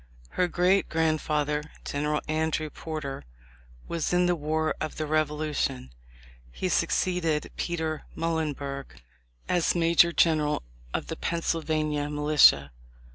Her great grandfather, General Andrew Porter, was in the war of the Revolution. He suc ceeded Peter Muhlenberg as major general of the Pennsylvania militia.